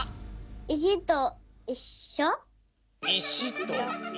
「いしといっしょ」。